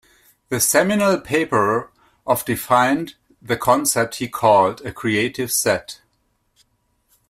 The seminal paper of defined the concept he called a Creative set.